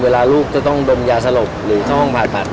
เวลาลูกจะต้องดมยาสลบหรือเข้าห้องผ่าตัด